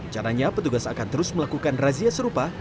caranya petugas akan terus melakukan razia serupa